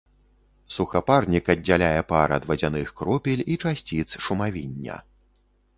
Сухапарнік аддзяляе пар ад вадзяных кропель і часціц шумавіння.